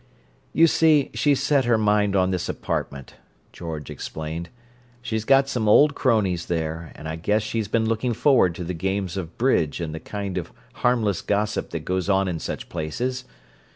"You see she's set her mind on this apartment," George explained. "She's got some old cronies there, and I guess she's been looking forward to the games of bridge and the kind of harmless gossip that goes on in such places.